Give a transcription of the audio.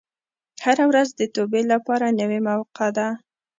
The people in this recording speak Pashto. هره ورځ د توبې لپاره نوې موقع ده.